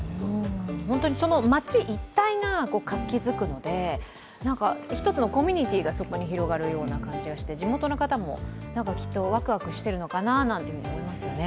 本当に街一帯が活気づくので１つのコミュニティーがそこに広がる感じがして、地元の方もワクワクしてるのかななんて思いますよね。